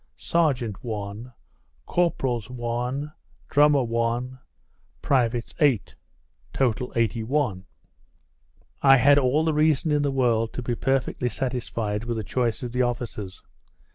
Serjeant (1) Corporals (1) Drummer (1) Privates (8) Total, 81 I had all the reason in the world to be perfectly satisfied with the choice of the officers.